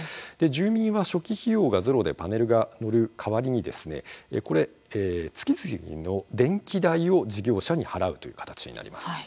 住民は初期費用がゼロでパネルが載る代わりに月々の電気代を事業者に払うという形になります。